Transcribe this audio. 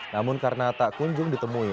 namun karena tak kunjung ditemui